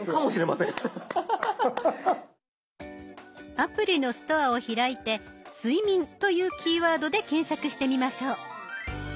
アプリのストアを開いて「睡眠」というキーワードで検索してみましょう。